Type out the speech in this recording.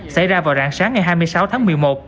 xảy ra vào rạng sáng ngày hai mươi sáu tháng một mươi một